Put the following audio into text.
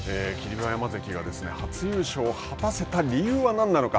馬山関が初優勝を果たせた理由は何なのか。